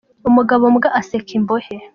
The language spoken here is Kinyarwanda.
umugabo mbwa aseka imbohe